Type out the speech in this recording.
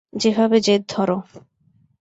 যেভাবে জেদ ধরো।